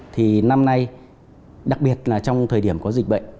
thì năm nay đặc biệt là trong thời điểm có dịch bệnh